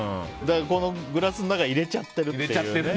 このグラスの中入れちゃってるっていうね。